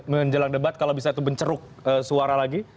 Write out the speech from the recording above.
menjelang debat kalau bisa itu menceruk suara lagi